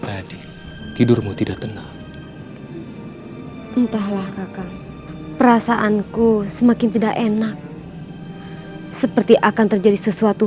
ada apa dinda